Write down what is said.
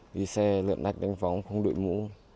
đi xe lượn lách đánh võng không đuổi mũ